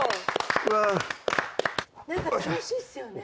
何か楽しいっすよね。